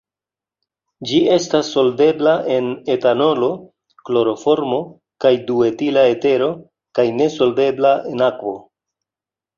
Ĝi estas solvebla en etanolo, kloroformo kaj duetila etero kaj ne solvebla en akvo.